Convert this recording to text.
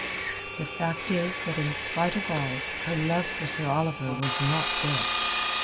The fact is that in spite of all, her love for Sir Oliver was not dead.